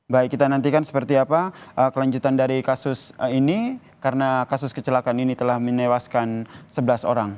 baik kita nantikan seperti apa kelanjutan dari kasus ini karena kasus kecelakaan ini telah menewaskan sebelas orang